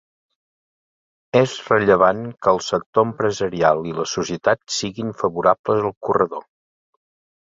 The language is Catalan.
És rellevant que el sector empresarial i la societat siguin favorables al corredor.